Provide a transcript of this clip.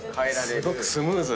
すごくスムーズ。